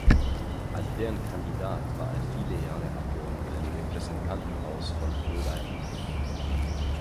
Als deren Kandidat war er viele Jahre Abgeordneter im Repräsentantenhaus von Rhode Island.